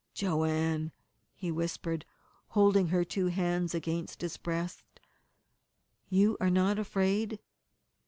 "Joanne," he whispered, holding her two hands against his breast, "you are not afraid?"